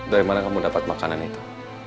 dari mana kamu dapat makanan itu